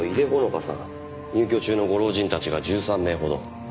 入居中のご老人たちが１３名ほど。